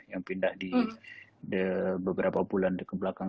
yang pindah di beberapa bulan kebelakang